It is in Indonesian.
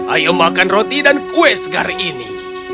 ayo makan roti dan kue segar ini